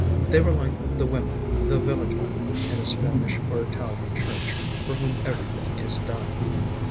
They were like the women, the village women, in a Spanish or Italian church, for whom everything is done.